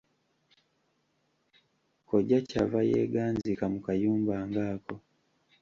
Kojja ky'ava yeeganzika mu kayumba ng'ako!